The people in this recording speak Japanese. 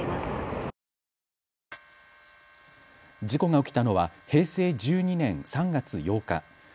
事故が起きたのは平成１２年３月８日。